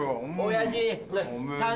親父。